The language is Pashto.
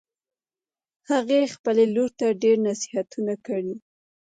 هغې خپلې لور ته ډېر نصیحتونه کړي